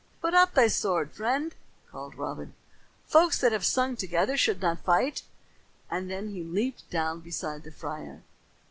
"Put up thy sword, friend," called Robin. "Folks that have sung together should not fight." And then he leaped down beside the friar.